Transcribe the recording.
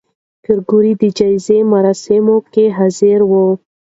پېیر کوري د جایزې مراسمو کې حاضر و.